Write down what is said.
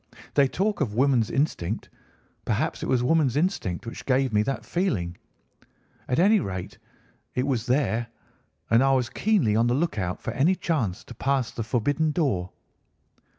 They talk of woman's instinct; perhaps it was woman's instinct which gave me that feeling. At any rate, it was there, and I was keenly on the lookout for any chance to pass the forbidden door.